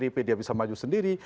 tanpa pdip dia bisa maju sendiri